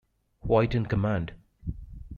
White in command.